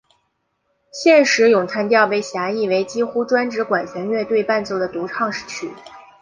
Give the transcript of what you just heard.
现时咏叹调被狭义为几乎专指管弦乐队伴奏的独唱曲。